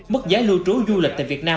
mức giá lưu trú du lịch tại việt nam